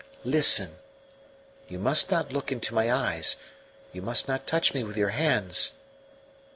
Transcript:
"Listen! You must not look into my eyes, you must not touch me with your hands."